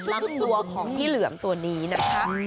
ลำตัวของพี่เหลือมตัวนี้นะคะ